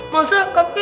masa kakek mau cari